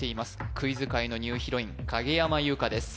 クイズ界のニューヒロイン影山優佳です